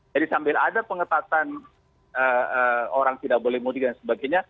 jadi sambil ada pengetatan orang tidak boleh mudik dan sebagainya